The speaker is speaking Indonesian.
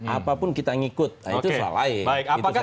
apapun kita ngikut nah itu salah ya